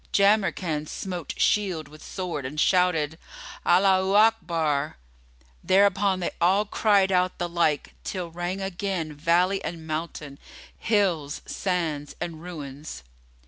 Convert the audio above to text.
Jamrkan smote shield with sword and shouted, "Allaho Akbar'" Thereupon they all cried out the like, till rang again valley and mountain, hills, sands and ruins.